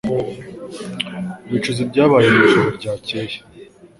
Wicuza ibyabaye mwijoro ryakeye